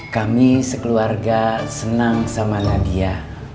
kami sekeluarga senang sama nadia